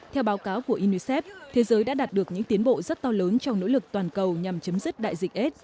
theo báo cáo của unicef thế giới đã đạt được những tiến bộ rất to lớn trong nỗ lực toàn cầu nhằm chấm dứt đại dịch s